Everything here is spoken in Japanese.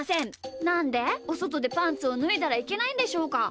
なんでおそとでパンツをぬいだらいけないんでしょうか？